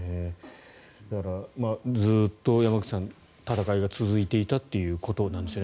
だから、ずっと山口さん闘いが続いていたっていうことなんですよね。